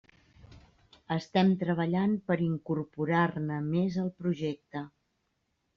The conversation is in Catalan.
Estem treballant per incorporar-ne més al projecte.